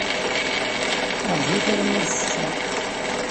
Rjut alamma d ssetta.